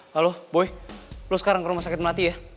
halo boy lo sekarang ke rumah sakit melati ya